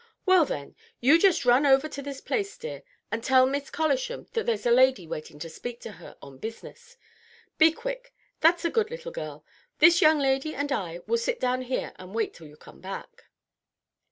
"Well, then, you just run over to this place, dear, and tell Miss Collisham that there's a lady waiting to speak to her on business. Be quick, that's a good little girl! This young lady and I will sit down here and wait till you come back."